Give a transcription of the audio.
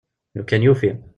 Lukan yufi.